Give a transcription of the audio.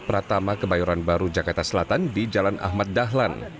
pratama kebayoran baru jakarta selatan di jalan ahmad dahlan